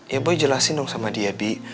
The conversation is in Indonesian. ya boy jelasin dong sama dia bi